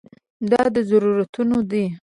دا ضرورتونو ده.